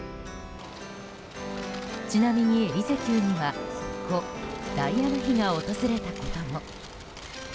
ちなみにエリゼ宮には故ダイアナ妃が訪れたことも。